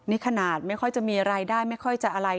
นี่ขนาดไม่ค่อยจะมีรายได้ไม่ค่อยจะอะไร